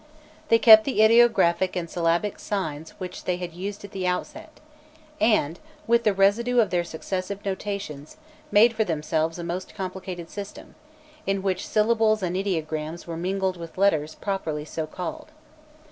They kept the ideographic and syllabic signs which they had used at the outset, and, with the residue of their successive notations, made for themselves a most complicated system, in which syllables and ideograms were mingled with letters properly so called.